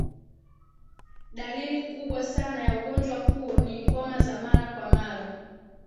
dalili kubwa sana ya ugonjwa huo ni homa za mara kwa mara